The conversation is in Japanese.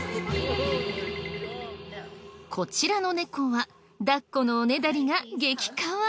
こちらの猫は抱っこのおねだりが激カワ！